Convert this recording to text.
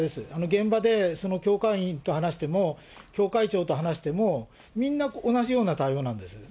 現場で教会員と話しても、教会長と話しても、みんな同じような対応なんです。